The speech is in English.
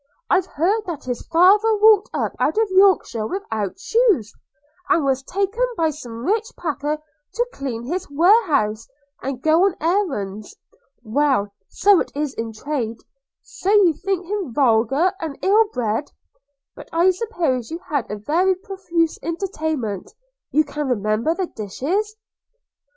I've heard that his father walked up out of Yorkshire without shoes, and was taken by some rich packer to clean his warehouse, and go on errands. Well, so it is in trade! – So you think him vulgar and ill bred? – But I suppose you had a very profuse entertainment: you can remember the dishes?'